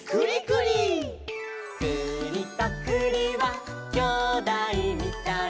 「くりとくりはきょうだいみたい」